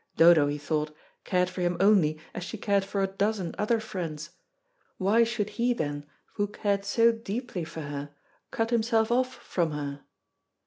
Dodo, he thought, cared for him only as she cared for a dozen other friends, why should he, then, who cared so deeply for her, cut himself off from her?